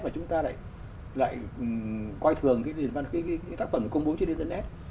mà chúng ta lại coi thường các tác phẩm công bố trên internet